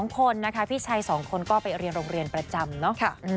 ๒คนนะคะพี่ชาย๒คนก็ไปเรียนโรงเรียนประจำเนาะ